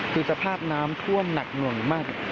คือสภาพน้ำท่วมหนักหน่วงมาก